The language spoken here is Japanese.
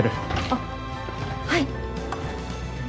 あっはい。